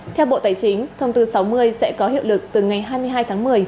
theo bộ tài chính thông tư sáu mươi sẽ có hiệu lực từ ngày hai mươi hai tháng một mươi